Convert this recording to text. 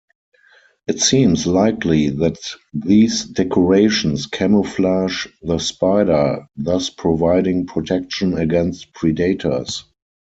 It seems likely that these decorations camouflage the spider, thus providing protection against predators.